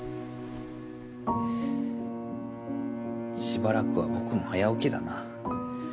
しばらくは僕も早起きだな。